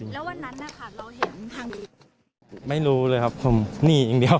แล้ววันนั้นอ่ะค่ะเราเห็นไม่รู้เลยครับผมนี่อย่างเดียว